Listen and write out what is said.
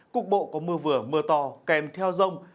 cục bộ có mưa vừa mưa to kèm theo rông